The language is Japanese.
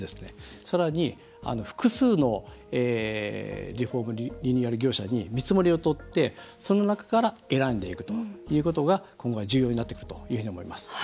さらに複数のリフォームリニューアル業者に見積もりを取って、その中から選んでいくということが今後は重要になってくると思います。